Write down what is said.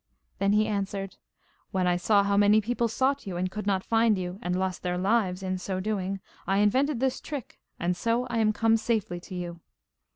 Then he answered: 'When I saw how many people sought you, and could not find you, and lost their lives in so doing, I invented this trick, and so I am come safely to you.